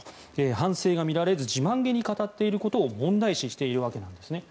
反省が見られず自慢げに語っていることを問題視しているわけなんですね。